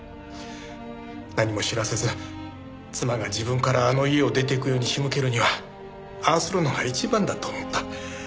何も知らせず妻が自分からあの家を出ていくように仕向けるにはああするのが一番だと思った。